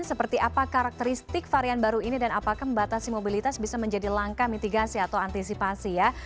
seperti apa karakteristik varian baru ini dan apakah membatasi mobilitas bisa menjadi langkah mitigasi atau antisipasi ya